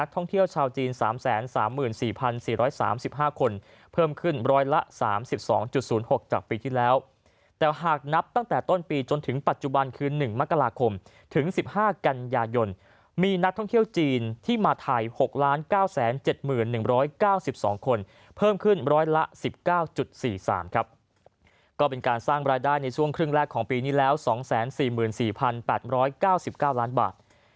ท่องเที่ยวชาวจีน๓๓๔๔๓๕คนเพิ่มขึ้น๑๓๒๐๖จากปีที่แล้วแต่หากนับตั้งแต่ต้นปีจนถึงปัจจุบันคือ๑มกราคมถึง๑๕กันยายนมีนักท่องเที่ยวจีนที่มาไทย๖๙๗๑๙๒คนเพิ่มขึ้นร้อยละ๑๙๔๓ครับก็เป็นการสร้างรายได้ในช่วงครึ่งแรกของปีนี้แล้ว๒๔๔๘๙๙ล้านบาท